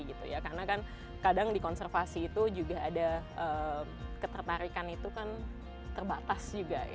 karena kan kadang di konservasi itu juga ada ketertarikan itu kan terbatas juga